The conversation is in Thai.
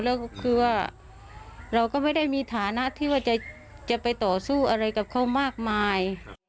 แล้วก็คือว่าเราก็ไม่ได้มีฐานะที่ว่าจะไปต่อสู้อะไรกับเขามากมาย